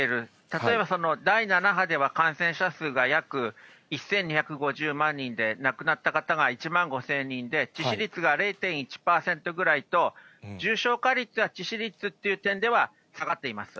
例えば第７波では感染者数が約１２５０万人で、亡くなった方が１万５０００人で、致死率が０．１％ぐらいと、重症化率や致死率っていう点では下がっています。